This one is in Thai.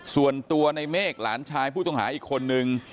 ส่วนตัวในเมฆหลานชายผู้ต้องหาอีกคนนึง